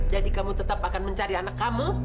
jadi kamu tetap akan mencari anak kamu